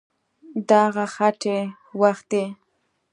د هغه ختې وختې